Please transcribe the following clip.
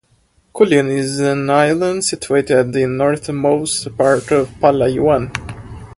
Culion is an island situated at the northernmost part of Palawan.